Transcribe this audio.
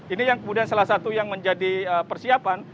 ini yang kemudian salah satu yang menjadi persiapan